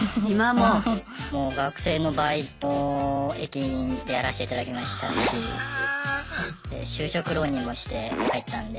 もう学生のバイト駅員でやらせていただきましたし就職浪人もして入ったんで。